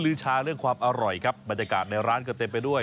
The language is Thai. ชาเรื่องความอร่อยครับบรรยากาศในร้านก็เต็มไปด้วย